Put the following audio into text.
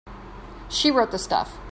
She wrote the stuff.